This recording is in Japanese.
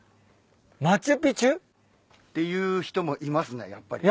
マチュピチュ？って言う人もいますねやっぱり。